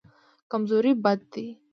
کمزوري بد دی.